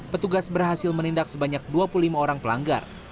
petugas berhasil menindak sebanyak dua puluh lima orang pelanggar